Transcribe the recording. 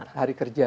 jumat hari kerja